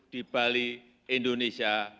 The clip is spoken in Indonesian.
di bali indonesia